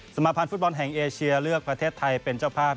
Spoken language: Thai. มาพันธ์ฟุตบอลแห่งเอเชียเลือกประเทศไทยเป็นเจ้าภาพ